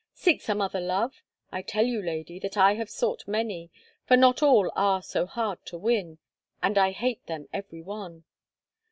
Seek some other love? I tell you, lady, that I have sought many, for not all are so hard to win, and I hate them every one.